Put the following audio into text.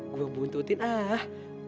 saya buntutkan ah